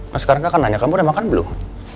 nah sekarang kan nanya kamu udah makan belum